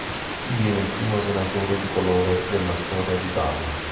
Diviene il primo senatore di colore della storia d'Italia.